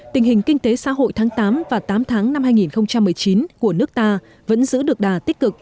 tình hình kinh tế xã hội tháng tám và tám tháng năm hai nghìn một mươi chín của nước ta vẫn giữ được đà tích cực